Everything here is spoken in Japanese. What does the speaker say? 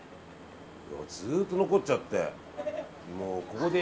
ずっと残っちゃって。